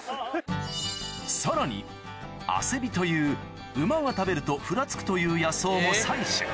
さらにという馬が食べるとふらつくという野草も採取